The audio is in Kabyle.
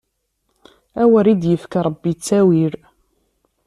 Awer i d-yefk Ṛebbi ttawil!